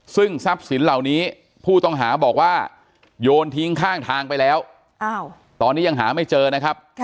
ซึ่งทรัพย์สินเหล่านี้ผู้ต้องหาบอกว่าโยนทิ้งข้างทางไปแล้วตอนนี้ยังหาไม่เจอนะครับ